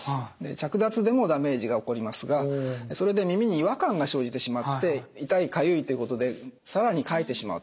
着脱でもダメージが起こりますがそれで耳に違和感が生じてしまって痛いかゆいということで更にかいてしまうと。